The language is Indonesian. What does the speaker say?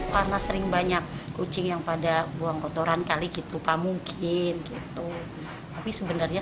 karena sering banyak kucing yang pada buang kotoran kali gitu pak mungkin gitu tapi sebenarnya